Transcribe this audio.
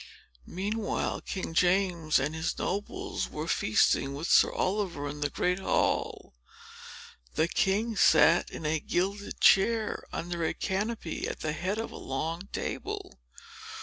Meanwhile, King James and his nobles were feasting with Sir Oliver, in the great hall. The king sat in a gilded chair, under a canopy, at the head of a long table.